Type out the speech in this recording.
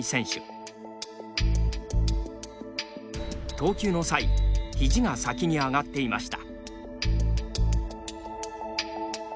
投球の際ひじが先に上がっていました。